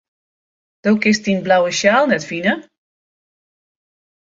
Do kinst dyn blauwe sjaal net fine.